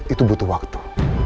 itu butuh waktu